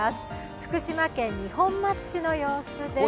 福島県二本松市の様子です。